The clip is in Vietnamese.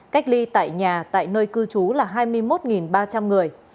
cách ly tại nhà tại nơi cư trú là hai mươi một ba trăm linh người